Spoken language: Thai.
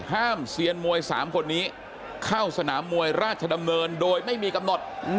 เซียนมวย๓คนนี้เข้าสนามมวยราชดำเนินโดยไม่มีกำหนด